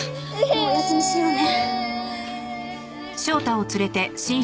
もうお休みしようね。